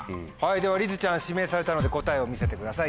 ではりづちゃん指名されたので答えを見せてください。